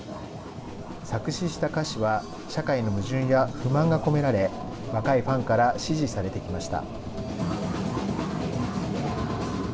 作詞した歌詞は社会の矛盾や不満が込められ若いファンから支持されてきました。